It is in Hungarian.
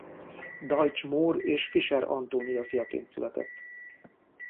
Deutsch Mór és Fischer Antónia fiaként született.